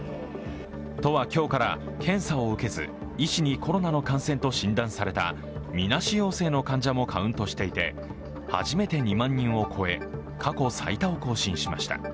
都は今日から検査を受けず、医師にコロナの感染と診断されたみなし陽性の患者もカウントしていて初めて２万人を超え過去最多を更新しました。